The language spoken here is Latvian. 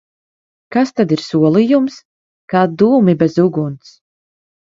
Kas tad ir solījums? Kā dūmi bez uguns!